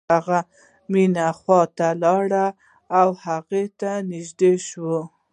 هغه د مينې خواته لاړ او هغې ته نږدې شو.